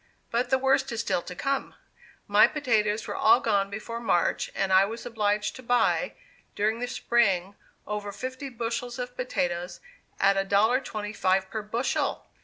But the worst is still to come. My potatoes were all gone before March, and I was obliged to buy, during the spring, over fifty bushels of potatoes, at $1.25 per bushel!